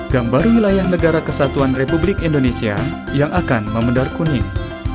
gambar wilayah negara kesatuan republik indonesia yang akan memendar kuning